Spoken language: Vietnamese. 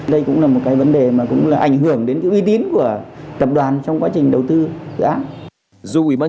đây cũng là một cái vấn đề mà cũng là ảnh hưởng đến cái uy tín của tập đoàn trong quá trình đầu tư dự án